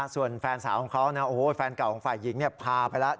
ส่วนแฟนสาวของเขาแฟนเก่าของฝ่ายหญิงพาไปแล้ว